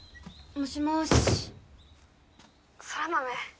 もしもーし☎空豆